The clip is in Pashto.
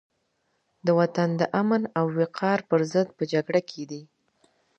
د وطن د امن او وقار پرضد په جګړه کې دي.